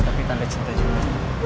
tapi tanda cinta juga